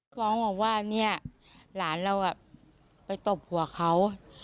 ฟังหวังว่านี้อะหลานเรารับไปตบผัวเขา